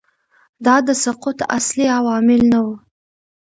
دا د سقوط اصلي عوامل نه وو